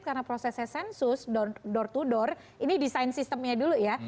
karena prosesnya sensus door to door ini design systemnya dulu ya